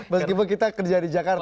meskipun kita kerja di jakarta